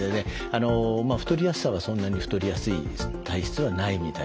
太りやすさはそんなに太りやすい体質はないみたいです。